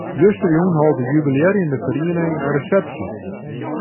Justerjûn hold de jubilearjende feriening in resepsje.